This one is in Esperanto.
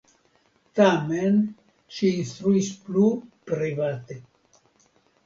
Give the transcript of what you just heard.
Tamen ŝi instruis plu private.